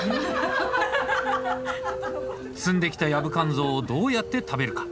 摘んできたヤブカンゾウをどうやって食べるか！？